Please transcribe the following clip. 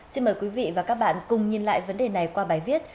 xin mời quý vị và các bạn cùng nhìn lại vấn đề này qua bài viết